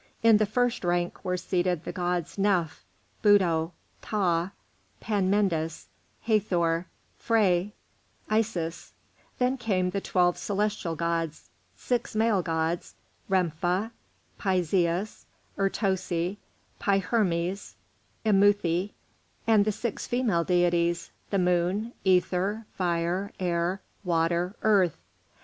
In the first rank were seated the gods Knef, Buto, Phtah, Pan Mendes, Hathor, Phré, Isis; then came the twelve celestial gods, six male gods: Rempha, Pi Zeous, Ertosi, Pi Hermes, Imuthi; and six female deities: the Moon, Ether, Fire, Air, Water, Earth.